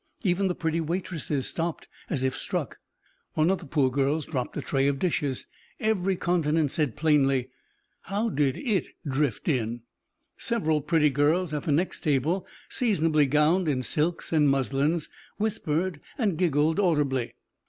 Even the pretty waitresses stopped as if struck. One of the poor girls dropped a tray of dishes. Every countenance said plainly, "How did it drift in?" Several pretty girls at the next table, seasonably gowned in silks and muslins, whispered and giggled audibly.